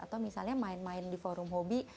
atau misalnya main main di forum hobi